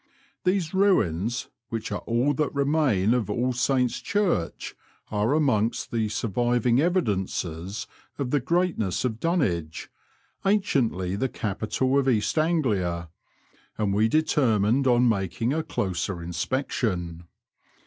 These ruins, which are all that remain of All Saints' Church, are amongst the surviving evidences of the greatness of Dunwich, anciently the capital of East Anglia, and we determined on making a closer inspection.